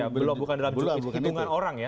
belum bukan dalam hitungan orang ya